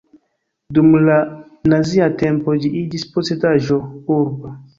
Dum la nazia tempo ĝi iĝis posedaĵo urba.